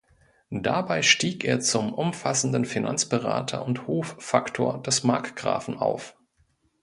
Dabei stieg er zum umfassenden Finanzberater und Hoffaktor des Markgrafen auf.